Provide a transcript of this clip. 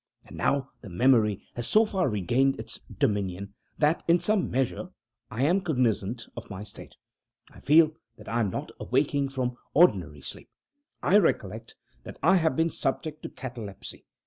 And now the memory has so far regained its dominion, that, in some measure, I am cognizant of my state. I feel that I am not awaking from ordinary sleep. I recollect that I have been subject to catalepsy.